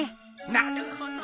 なるほど。